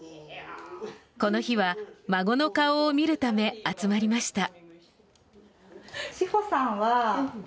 この日は孫の顔を見るため集まりました。